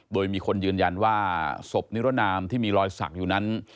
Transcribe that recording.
โดยมีคนยืนยันว่าศพนิรนามที่มีรอยสักอยู่นั้น